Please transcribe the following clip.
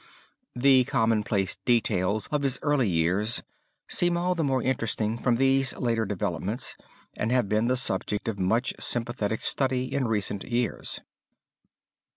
The commonplace details of his early years seem all the more interesting from these later developments, and have been the subject of much sympathetic study in recent years.